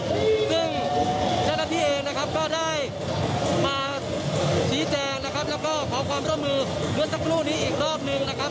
ซึ่งเจ้าหน้าที่เองนะครับก็ได้มาชี้แจงนะครับแล้วก็ขอความร่วมมือเมื่อสักครู่นี้อีกรอบนึงนะครับ